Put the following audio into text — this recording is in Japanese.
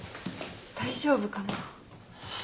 大丈夫かな？